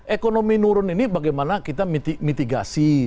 ekonomi nurun ini bagaimana kita mitigasi